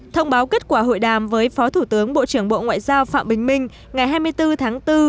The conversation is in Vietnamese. thông báo kết quả hội đàm với phó thủ tướng bộ trưởng bộ ngoại giao phạm bình minh ngày hai mươi bốn tháng bốn